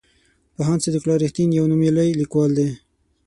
پوهاند صدیق الله رښتین یو نومیالی لیکوال دی.